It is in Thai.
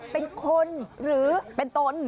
เป็นคนหรือเป็นตน